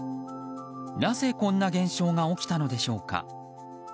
なぜこんな現象が起きたのでしょうか。